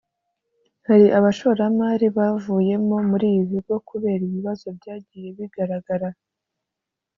Hari abashoramari bavuyemo muri ibi bigo kubera ibibazo byagiye bigaragara